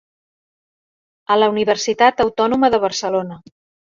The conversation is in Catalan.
A la Universitat Autònoma de Barcelona.